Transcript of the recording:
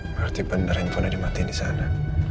berarti bener handphonenya dimatikan disana